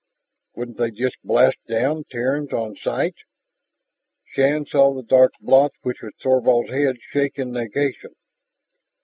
"Wouldn't they just blast down Terrans on sight?" Shann saw the dark blot which was Thorvald's head shake in negation.